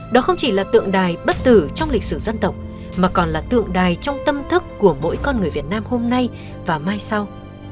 đó không chỉ là tượng đài bất tử trong lịch sử dân tộc mà còn là tượng đài trong tâm thức của mỗi con người việt nam hôm nay và mai sau